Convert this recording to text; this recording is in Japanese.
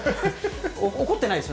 怒ってないです。